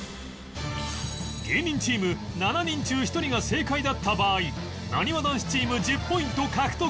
芸人チーム７人中１人が正解だった場合なにわ男子チーム１０ポイント獲得